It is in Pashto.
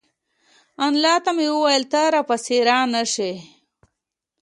انیلا ته مې وویل چې ته را پسې را نشې